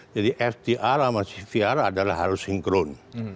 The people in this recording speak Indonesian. jadi ftr sama cvr adalah harus sinkron